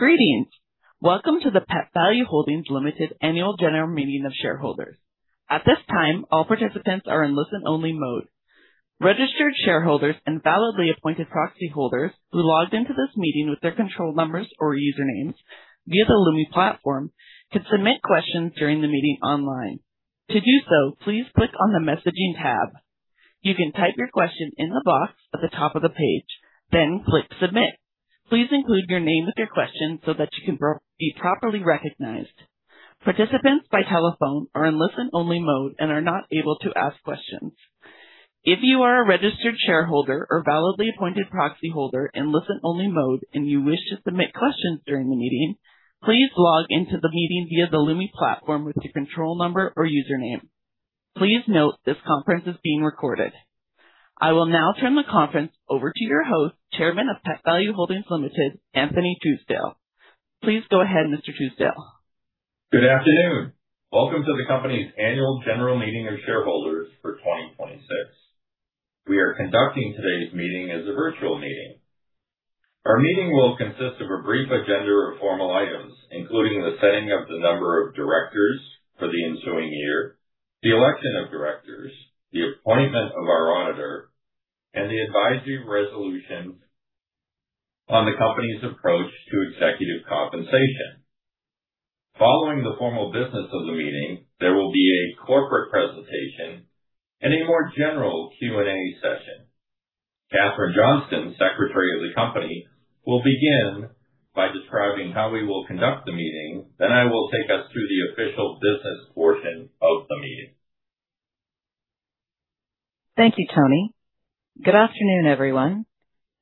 Greetings. Welcome to the Pet Valu Holdings Ltd Annual General Meeting of Shareholders. At this time, all participants are in listen-only mode. Registered shareholders and validly appointed proxy holders who logged into this meeting with their control numbers or usernames via the Lumi platform can submit questions during the meeting online. To do so, please click on the messaging tab. You can type your question in the box at the top of the page, then click submit. Please include your name with your question so that you can be properly recognized. Participants by telephone are in listen-only mode and are not able to ask questions. If you are a registered shareholder or validly appointed proxy holder in listen-only mode and you wish to submit questions during the meeting, please log in to the meeting via the Lumi platform with your control number or username. Please note this conference is being recorded. I will now turn the conference over to your host, Chairman of Pet Valu Holdings Ltd, Anthony Truesdale. Please go ahead, Mr. Truesdale. Good afternoon. Welcome to the company's annual general meeting of shareholders for 2026. We are conducting today's meeting as a virtual meeting. Our meeting will consist of a brief agenda of formal items, including the setting of the number of directors for the ensuing year, the election of directors, the appointment of our auditor, and the advisory resolutions on the company's approach to executive compensation. Following the formal business of the meeting, there will be a corporate presentation and a more general Q&A session. Catherine Johnston, Secretary of the company, will begin by describing how we will conduct the meeting. I will take us through the official business portion of the meeting. Thank you, Tony. Good afternoon, everyone.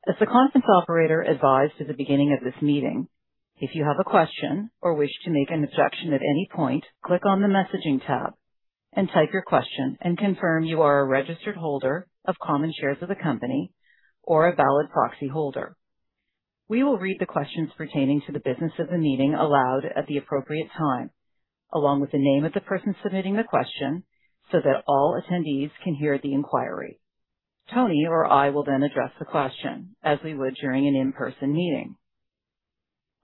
As the conference operator advised at the beginning of this meeting, if you have a question or wish to make an objection at any point, click on the messaging tab and type your question and confirm you are a registered holder of common shares of the company or a valid proxy holder. We will read the questions pertaining to the business of the meeting aloud at the appropriate time, along with the name of the person submitting the question so that all attendees can hear the inquiry. Tony or I will then address the question as we would during an in-person meeting.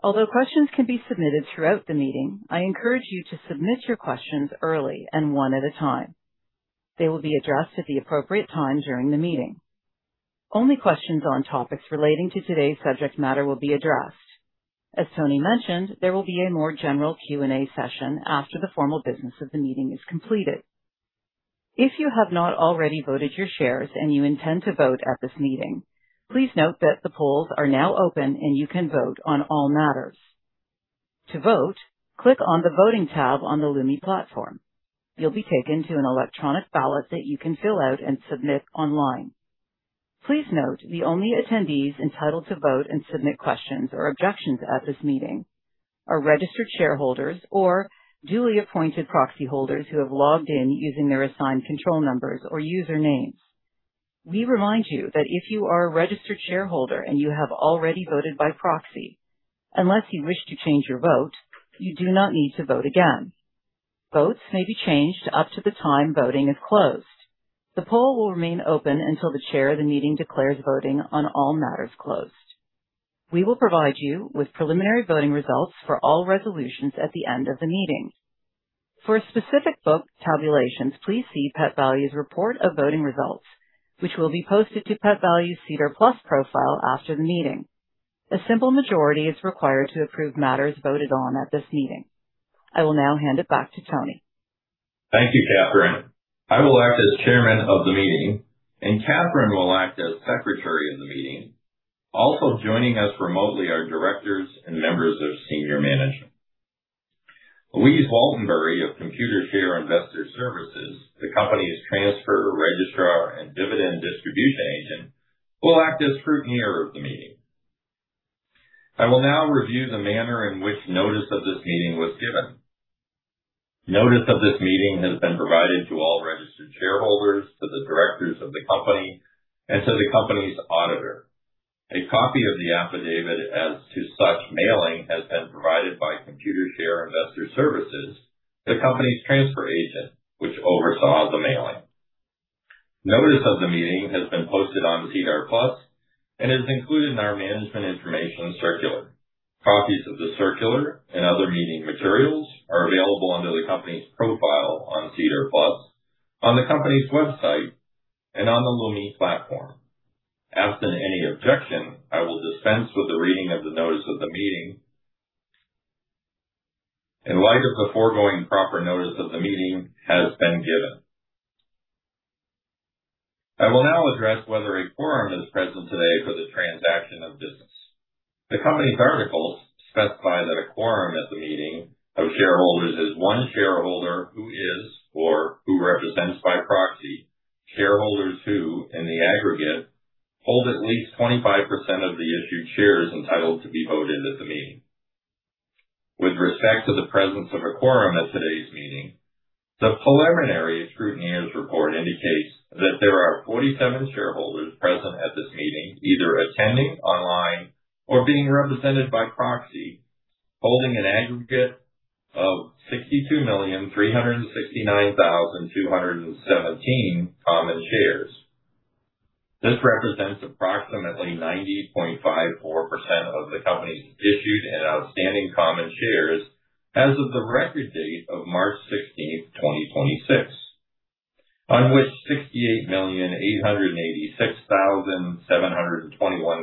Although questions can be submitted throughout the meeting, I encourage you to submit your questions early and one at a time. They will be addressed at the appropriate time during the meeting. Only questions on topics relating to today's subject matter will be addressed. As Tony mentioned, there will be a more general Q&A session after the formal business of the meeting is completed. If you have not already voted your shares and you intend to vote at this meeting, please note that the polls are now open, and you can vote on all matters. To vote, click on the voting tab on the Lumi platform. You'll be taken to an electronic ballot that you can fill out and submit online. Please note the only attendees entitled to vote and submit questions or objections at this meeting are registered shareholders or duly appointed proxy holders who have logged in using their assigned control numbers or usernames. We remind you that if you are a registered shareholder and you have already voted by proxy, unless you wish to change your vote, you do not need to vote again. Votes may be changed up to the time voting is closed. The poll will remain open until the chair of the meeting declares voting on all matters closed. We will provide you with preliminary voting results for all resolutions at the end of the meeting. For specific vote tabulations, please see Pet Valu's report of voting results, which will be posted to Pet Valu's SEDAR+ profile after the meeting. A simple majority is required to approve matters voted on at this meeting. I will now hand it back to Tony. Thank you, Catherine. I will act as Chairman of the meeting, and Catherine will act as Secretary of the meeting. Also joining us remotely are directors and members of senior management. Louise Waltenbury of Computershare Investor Services, the company's transfer registrar and dividend distribution agent, will act as scrutineer of the meeting. I will now review the manner in which notice of this meeting was given. Notice of this meeting has been provided to all registered shareholders, to the directors of the company, and to the company's auditor. A copy of the affidavit as to such mailing has been provided by Computershare Investor Services, the company's transfer agent, which oversaw the mailing. Notice of the meeting has been posted on SEDAR+ and is included in our management information circular. Copies of the circular and other meeting materials are available under the company's profile on SEDAR+, on the company's website, and on the Lumi platform. Absent any objection, I will dispense with the reading of the notice of the meeting. In light of the foregoing, proper notice of the meeting has been given. I will now address whether a quorum is present today for the transaction of business. The company's articles specify that a quorum at the meeting of shareholders is one shareholder who is, or who represents by proxy, shareholders who, in the aggregate, hold at least 25% of the issued shares entitled to be voted at the meeting. With respect to the presence of a quorum at today's meeting, the preliminary scrutineer's report indicates that there are 47 shareholders present at this meeting, either attending online or being represented by proxy, holding an aggregate of 62,369,217 common shares. This represents approximately 90.54% of the company's issued and outstanding common shares as of the record date of March 16th, 2026, on which 68,886,721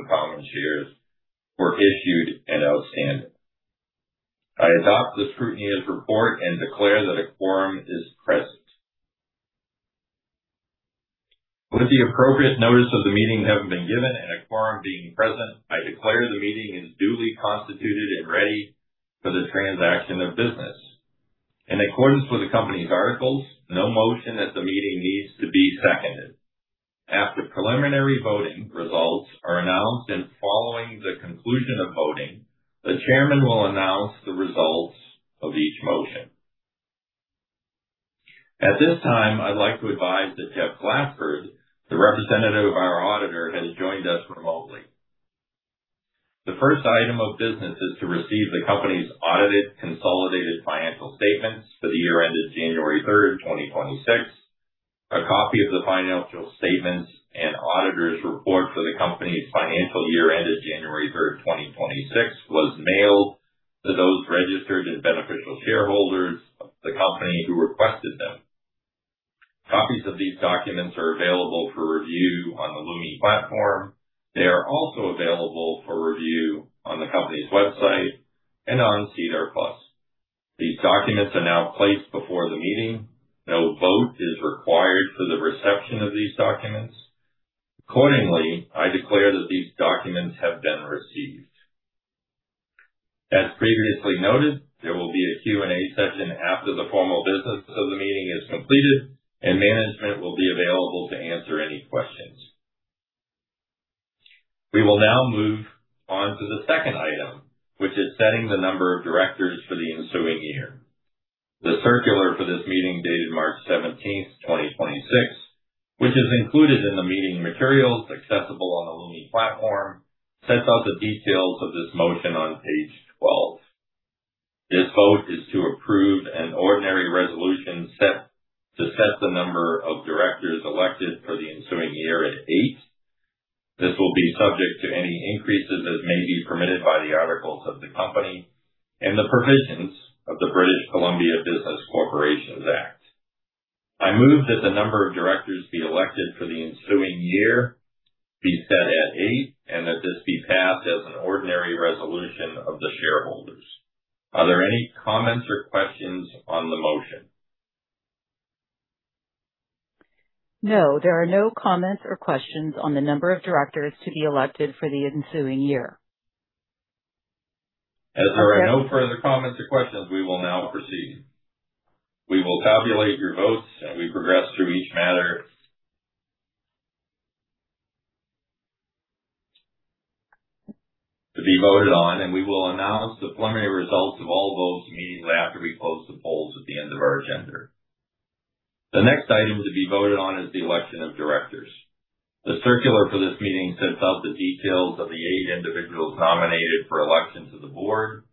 common shares were issued and outstanding. I adopt the scrutineer's report and declare that a quorum is present. With the appropriate notice of the meeting having been given and a quorum being present, I declare the meeting is duly constituted and ready for the transaction of business. In accordance with the company's articles, no motion at the meeting needs to be seconded. After preliminary voting results are announced and following the conclusion of voting, the chairman will announce the results of each motion. At this time, I'd like to advise that Jeff Glassford, the representative of our auditor, has joined us remotely. The first item of business is to receive the company's audited consolidated financial statements for the year ended January 3rd, 2026. A copy of the financial statements and auditor's report for the company's financial year ended January 3rd, 2026, was mailed to those registered and beneficial shareholders of the company who requested them. Copies of these documents are available for review on the Lumi platform. They are also available for review on the company's website and on SEDAR+. These documents are now placed before the meeting. No vote is required for the reception of these documents. Accordingly, I declare that these documents have been received. As previously noted, there will be a Q&A session after the formal business of the meeting is completed, and management will be available to answer any questions. We will now move on to the second item, which is setting the number of directors for the ensuing year. The circular for this meeting dated March 17th, 2026, which is included in the meeting materials accessible on the Lumi platform, sets out the details of this motion on page 12. This vote is to approve an ordinary resolution to set the number of directors elected for the ensuing year at eight. This will be subject to any increases as may be permitted by the articles of the company and the provisions of the British Columbia Business Corporations Act. I move that the number of directors be elected for the ensuing year be set at eight, and that this be passed as an ordinary resolution of the shareholders. Are there any comments or questions on the motion? No, there are no comments or questions on the number of directors to be elected for the ensuing year. As there are no further comments or questions, we will now proceed. We will tabulate your votes as we progress through each matter to be voted on, and we will announce the preliminary results of all votes immediately after we close the polls at the end of our agenda. The next item to be voted on is the election of directors. The circular for this meeting sets out the details of the eight individuals nominated for election to the board.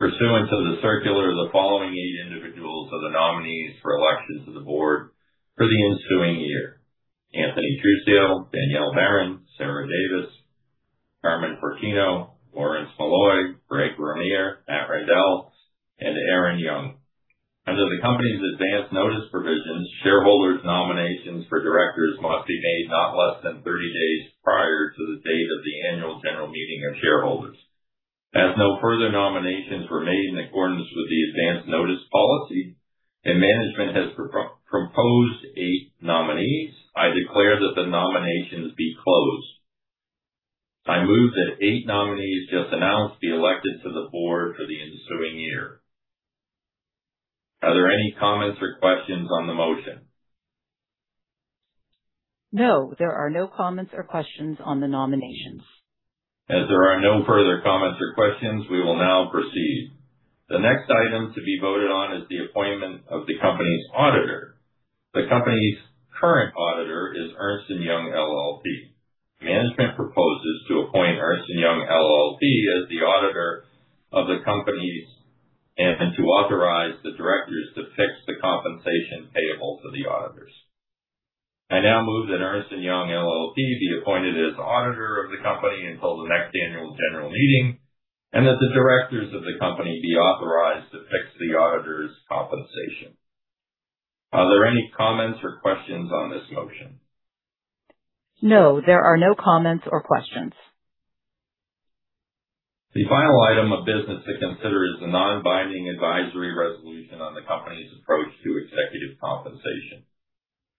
Pursuant to the circular, the following eight individuals are the nominees for election to the board for the ensuing year. Anthony Truesdale, Danielle Barran, Sarah Davis, Carmen Fortino, Lawrence Molloy, Greg Ramier, Matt Reindel, and Erin Young. Under the company's advance notice provisions, shareholders' nominations for directors must be made not less than 30 days prior to the date of the annual general meeting of shareholders. As no further nominations were made in accordance with the advance notice policy and management has proposed eight nominees, I declare that the nominations be closed. I move that eight nominees just announced be elected to the board for the ensuing year. Are there any comments or questions on the motion? No, there are no comments or questions on the nominations. As there are no further comments or questions, we will now proceed. The next item to be voted on is the appointment of the company's auditor. The company's current auditor is Ernst & Young LLP. Management proposes to appoint Ernst & Young LLP as the auditor of the company and to authorize the directors to fix the compensation payable to the auditors. I now move that Ernst & Young LLP be appointed as auditor of the company until the next annual general meeting, and that the directors of the company be authorized to fix the auditor's compensation. Are there any comments or questions on this motion? No, there are no comments or questions. The final item of business to consider is the non-binding advisory resolution on the company's approach to executive compensation.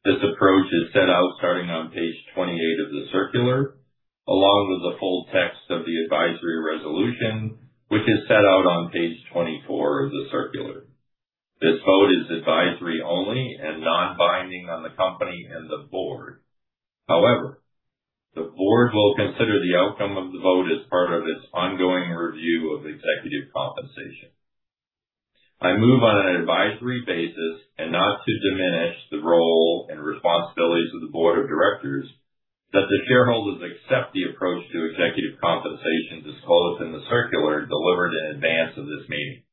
This approach is set out starting on page 28 of the circular, along with the full text of the advisory resolution, which is set out on page 24 of the circular. This vote is advisory only and non-binding on the company and the board. However, the board will consider the outcome of the vote as part of its ongoing review of executive compensation. I move on an advisory basis and not to diminish the role and responsibilities of the board of directors, that the shareholders accept the approach to executive compensation disclosed in the circular delivered in advance of this meeting.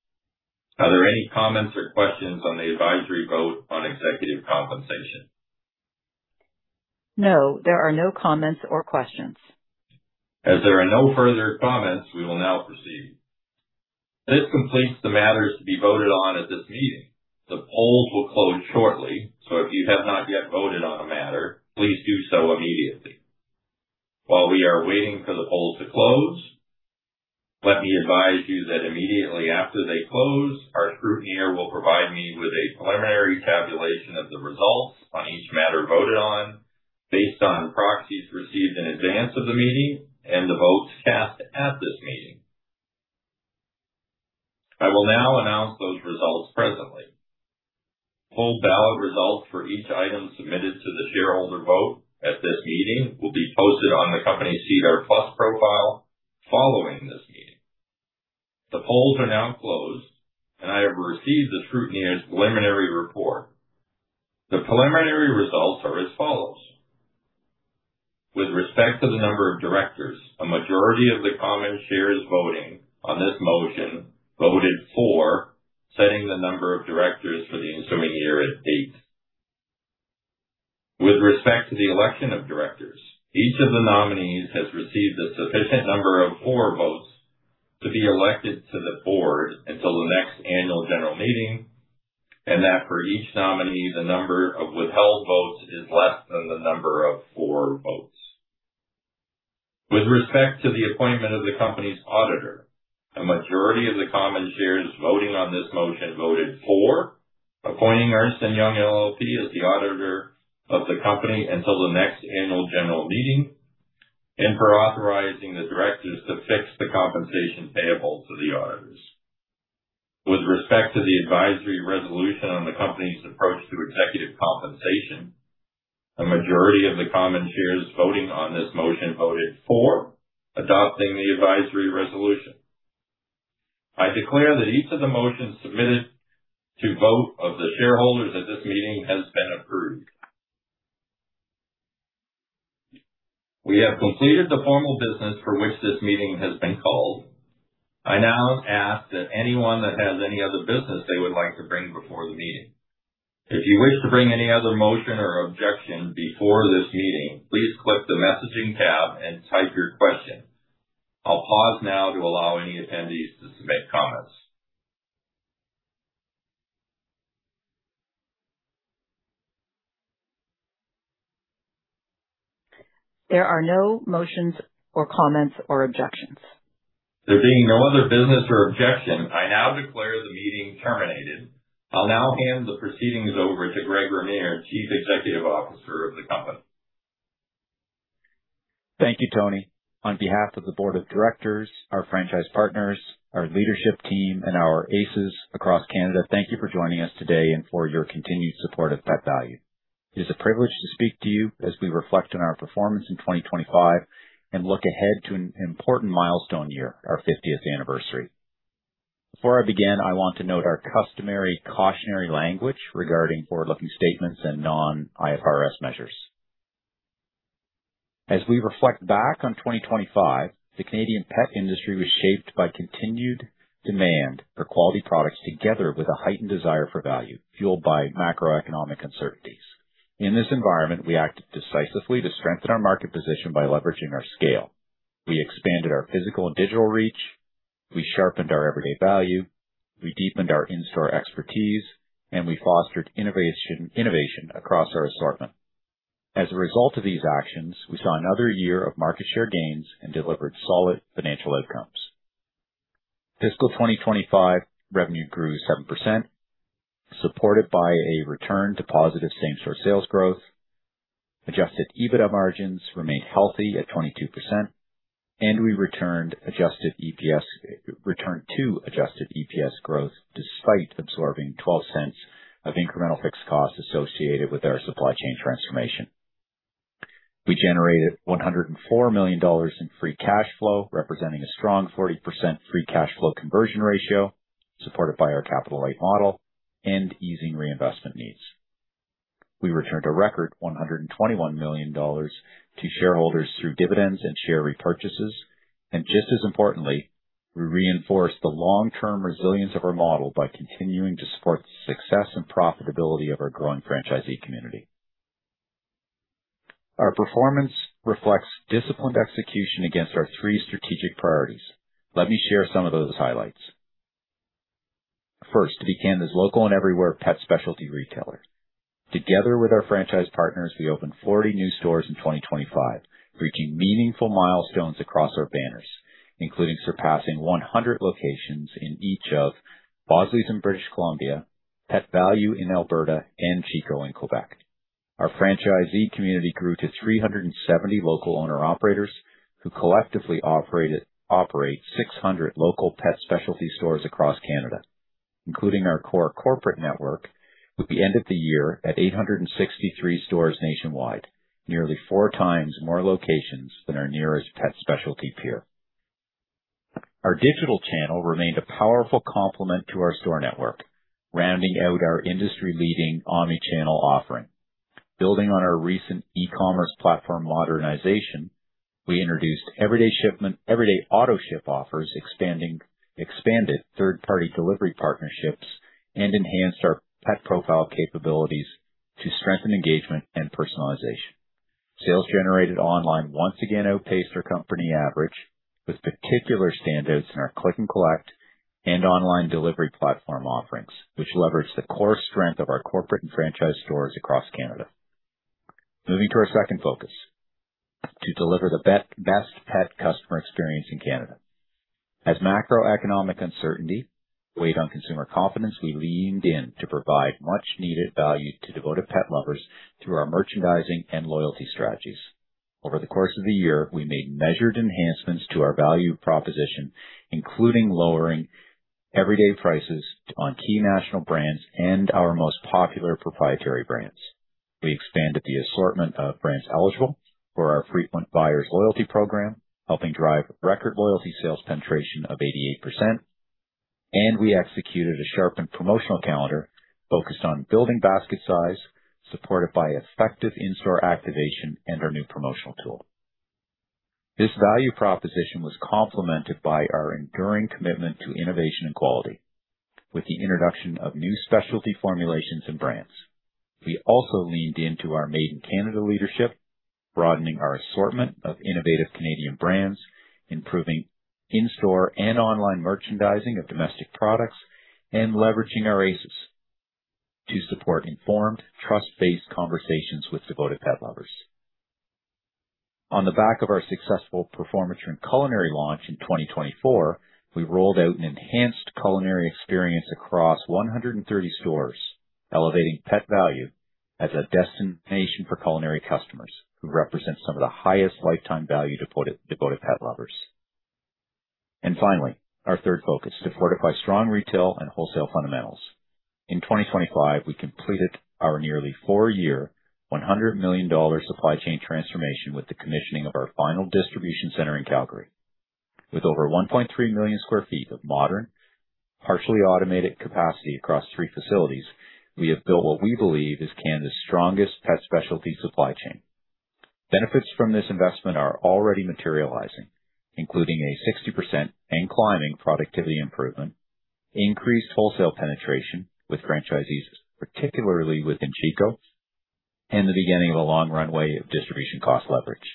Are there any comments or questions on the advisory vote on executive compensation? No, there are no comments or questions. As there are no further comments, we will now proceed. This completes the matters to be voted on at this meeting. The polls will close shortly, so if you have not yet voted on a matter, please do so immediately. While we are waiting for the polls to close, let me advise you that immediately after they close, our scrutineer will provide me with a preliminary tabulation of the results on each matter voted on based on proxies received in advance of the meeting and the votes cast at this meeting. I will now announce those results presently. Full ballot results for each item submitted to the shareholder vote at this meeting will be posted on the company's SEDAR+ profile following this meeting. The polls are now closed, and I have received the scrutineer's preliminary report. The preliminary results are as follows. With respect to the number of directors, a majority of the common shares voting on this motion voted for setting the number of directors for the ensuing year at eight. With respect to the election of directors, each of the nominees has received a sufficient number of for votes to be elected to the board until the next annual general meeting, and that for each nominee, the number of withheld votes is less than the number of for votes. With respect to the appointment of the company's auditor, a majority of the common shares voting on this motion voted for appointing Ernst & Young LLP as the auditor of the company until the next annual general meeting and for authorizing the directors to fix the compensation payable to the. With respect to the advisory resolution on the company's approach to executive compensation, a majority of the common shares voting on this motion voted for adopting the advisory resolution. I declare that each of the motions submitted to vote of the shareholders at this meeting has been approved. We have completed the formal business for which this meeting has been called. I now ask that anyone that has any other business they would like to bring before the meeting, if you wish to bring any other motion or objection before this meeting, please click the messaging tab and type your question. I'll pause now to allow any attendees to submit comments. There are no motions or comments or objections. There being no other business or objections, I now declare the meeting terminated. I'll now hand the proceedings over to Greg Ramier, Chief Executive Officer of the company. Thank you, Tony. On behalf of the board of directors, our franchise partners, our leadership team, and our ACES across Canada, thank you for joining us today and for your continued support of Pet Valu. It is a privilege to speak to you as we reflect on our performance in 2025 and look ahead to an important milestone year, our 50th anniversary. Before I begin, I want to note our customary cautionary language regarding forward-looking statements and non-IFRS measures. As we reflect back on 2025, the Canadian pet industry was shaped by continued demand for quality products together with a heightened desire for value fueled by macroeconomic uncertainties. In this environment, we acted decisively to strengthen our market position by leveraging our scale. We expanded our physical and digital reach, we sharpened our everyday value, we deepened our in-store expertise, and we fostered innovation across our assortment. As a result of these actions, we saw another year of market share gains and delivered solid financial outcomes. Fiscal 2025 revenue grew 7%, supported by a return to positive same-store sales growth. Adjusted EBITDA margins remained healthy at 22%, and we returned to adjusted EPS growth despite absorbing 0.12 of incremental fixed costs associated with our supply chain transformation. We generated 104 million dollars in free cash flow, representing a strong 40% free cash flow conversion ratio, supported by our capital light model and easing reinvestment needs. We returned a record 121 million dollars to shareholders through dividends and share repurchases, and just as importantly, we reinforced the long-term resilience of our model by continuing to support the success and profitability of our growing franchisee community. Our performance reflects disciplined execution against our three strategic priorities. Let me share some of those highlights. First, to be Canada's local and everywhere pet specialty retailer. Together with our franchise partners, we opened 40 new stores in 2025, reaching meaningful milestones across our banners, including surpassing 100 locations in each of Bosley's in British Columbia, Pet Valu in Alberta, and Chico in Quebec. Our franchisee community grew to 370 local owner-operators who collectively operate 600 local pet specialty stores across Canada, including our core corporate network with the end of the year at 863 stores nationwide, nearly four times more locations than our nearest pet specialty peer. Our digital channel remained a powerful complement to our store network, rounding out our industry-leading omni-channel offering. Building on our recent e-commerce platform modernization, we introduced everyday shipment, everyday AutoShip offers, expanded third-party delivery partnerships, and enhanced our pet profile capabilities to strengthen engagement and personalization. Sales generated online once again outpaced our company average, with particular standouts in our click and collect and online delivery platform offerings, which leverage the core strength of our corporate and franchise stores across Canada. Moving to our second focus, to deliver the best pet customer experience in Canada. As macroeconomic uncertainty weighed on consumer confidence, we leaned in to provide much needed value to devoted pet lovers through our merchandising and loyalty strategies. Over the course of the year, we made measured enhancements to our value proposition, including lowering everyday prices on key national brands and our most popular proprietary brands. We expanded the assortment of brands eligible for our frequent buyers loyalty program, helping drive record loyalty sales penetration of 88%, and we executed a sharpened promotional calendar focused on building basket size, supported by effective in-store activation and our new promotional tool. This value proposition was complemented by our enduring commitment to innovation and quality, with the introduction of new specialty formulations and brands. We also leaned into our Made in Canada leadership, broadening our assortment of innovative Canadian brands, improving in-store and online merchandising of domestic products, and leveraging our ACES to support informed, trust-based conversations with devoted pet lovers. On the back of our successful Performatrin Culinary launch in 2024, we rolled out an enhanced culinary experience across 130 stores, elevating Pet Valu as a destination for culinary customers who represent some of the highest lifetime value devoted pet lovers. Finally, our third focus, to fortify strong retail and wholesale fundamentals. In 2025, we completed our nearly four-year, 100 million dollar supply chain transformation with the commissioning of our final distribution center in Calgary. With over 1.3 million sq ft of modern, partially automated capacity across three facilities, we have built what we believe is Canada's strongest pet specialty supply chain. Benefits from this investment are already materializing, including a 60% and climbing productivity improvement, increased wholesale penetration with franchisees, particularly within Chico, and the beginning of a long runway of distribution cost leverage.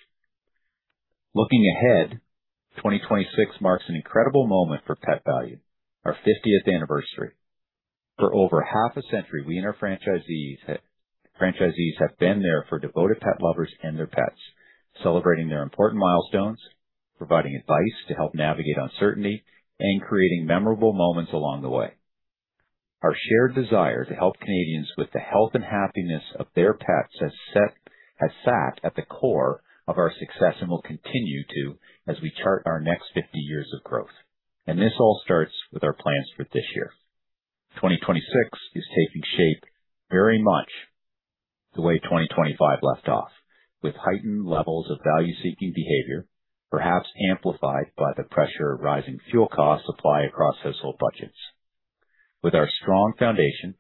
Looking ahead, 2026 marks an incredible moment for Pet Valu, our 50th anniversary. For over half a century, we and our franchisees have been there for devoted pet lovers and their pets, celebrating their important milestones, providing advice to help navigate uncertainty, and creating memorable moments along the way. Our shared desire to help Canadians with the health and happiness of their pets has sat at the core of our success and will continue to, as we chart our next 50 years of growth. This all starts with our plans for this year. 2026 is taking shape very much the way 2025 left off. With heightened levels of value-seeking behavior, perhaps amplified by the pressure of rising fuel costs apply across household budgets. With our strong foundation,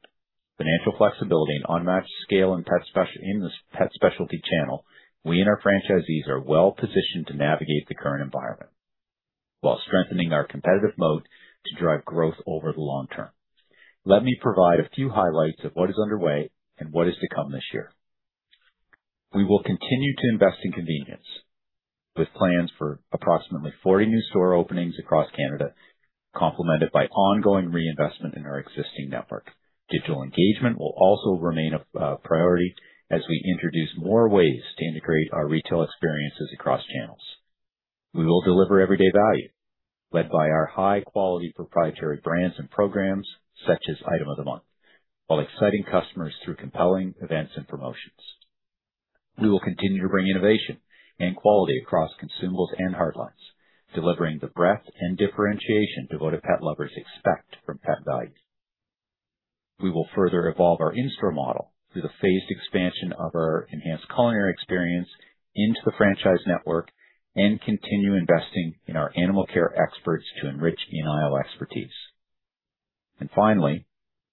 financial flexibility, and unmatched scale in the pet specialty channel, we and our franchisees are well-positioned to navigate the current environment while strengthening our competitive moat to drive growth over the long term. Let me provide a few highlights of what is underway and what is to come this year. We will continue to invest in convenience with plans for approximately 40 new store openings across Canada, complemented by ongoing reinvestment in our existing network. Digital engagement will also remain a priority as we introduce more ways to integrate our retail experiences across channels. We will deliver everyday value, led by our high-quality proprietary brands and programs such as Item of the Month, while exciting customers through compelling events and promotions. We will continue to bring innovation and quality across consumables and hard lines, delivering the breadth and differentiation devoted pet lovers expect from Pet Valu. We will further evolve our in-store model through the phased expansion of our enhanced culinary experience into the franchise network, and continue investing in our animal care experts to enrich in-aisle expertise. Finally,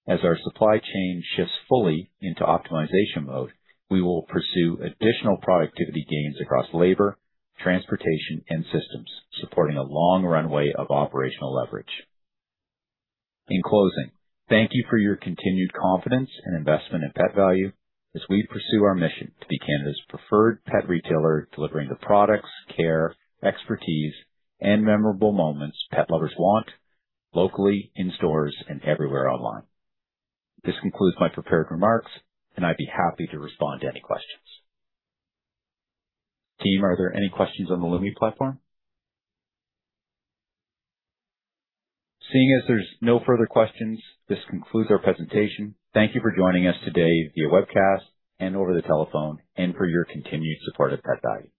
as our supply chain shifts fully into optimization mode, we will pursue additional productivity gains across labor, transportation, and systems, supporting a long runway of operational leverage. In closing, thank you for your continued confidence and investment in Pet Valu as we pursue our mission to be Canada's preferred pet retailer, delivering the products, care, expertise, and memorable moments pet lovers want locally, in stores, and everywhere online. This concludes my prepared remarks, and I'd be happy to respond to any questions. Team, are there any questions on the Lumi platform? Seeing as there's no further questions, this concludes our presentation. Thank you for joining us today via webcast and over the telephone, and for your continued support of Pet Valu.